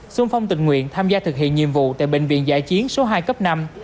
xung phong tình nguyện tham gia thực hiện nhiệm vụ tại bệnh viện giải chiến số hai cấp năm